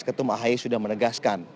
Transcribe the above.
ketum ahy sudah menegaskan